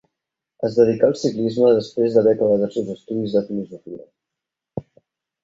Es dedicà al ciclisme després d'haver acabat els seus estudis de filosofia.